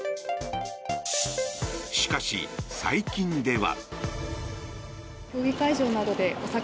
しかし、最近では。